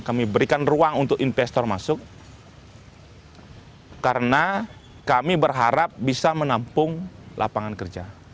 kami berikan ruang untuk investor masuk karena kami berharap bisa menampung lapangan kerja